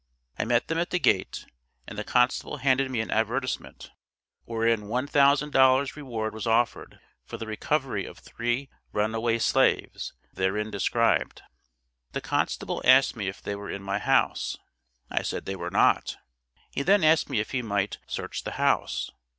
I met them at the gate, and the constable handed me an advertisement, wherein one thousand dollars reward was offered for the recovery of three runaway slaves, therein described. The constable asked me if they were in my house? I said they were not! He then asked me if he might search the house?